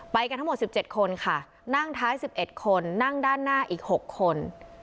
กันทั้งหมด๑๗คนค่ะนั่งท้าย๑๑คนนั่งด้านหน้าอีก๖คน